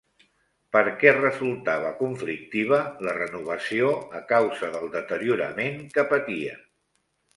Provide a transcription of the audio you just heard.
Per què resultava conflictiva la renovació a causa del deteriorament que patia?